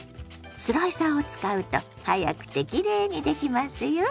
スライサーを使うと早くてきれいにできますよ。